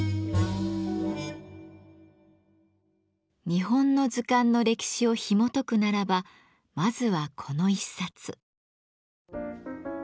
日本の図鑑の歴史をひもとくならばまずはこの一冊。